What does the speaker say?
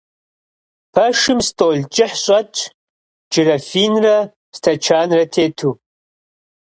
Пэшым стӀол кӀыхь щӀэтщ джырафинрэ стэчанрэ тету.